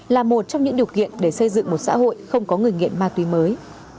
là một trong những điều kiện để xây dựng một xã hội không có người nghiện ma túy mới